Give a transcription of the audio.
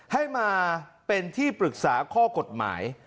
ให้มาเป็นที่ปรึกษาข้อกฎหมาย